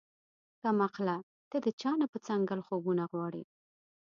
کم عقله تۀ د چا نه پۀ څنګل خوبونه غواړې